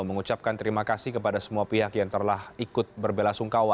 mengucapkan terima kasih kepada semua pihak yang telah ikut berbela sungkawa